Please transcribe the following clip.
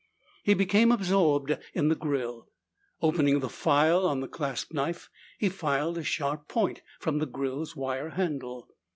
He became absorbed in the grill. Opening the file on the clasp knife, he filed a sharp point from the grill's wire handle.